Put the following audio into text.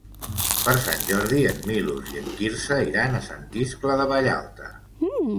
Per Sant Jordi en Milos i en Quirze iran a Sant Iscle de Vallalta.